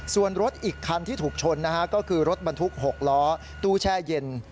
ส่วนรถอีกคันที่ถูกชนนะฮะก็คือรถบรรทุก๖ล้อตู้แช่เย็น